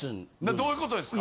どういうことですか？